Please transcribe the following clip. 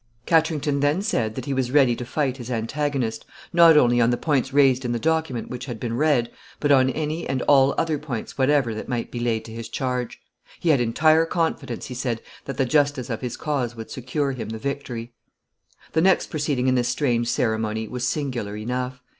[Sidenote: Katrington is ready.] Katrington then said that he was ready to fight his antagonist, not only on the points raised in the document which had been read, but on any and all other points whatever that might be laid to his charge. He had entire confidence, he said, that the justice of his cause would secure him the victory. [Sidenote: Singular oath administered.] The next proceeding in this strange ceremony was singular enough.